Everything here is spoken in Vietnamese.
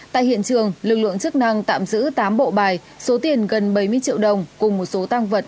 tại hiện trường lực lượng chức năng tạm giữ tám bộ bài số tiền gần bảy mươi triệu đồng cùng một số tăng vật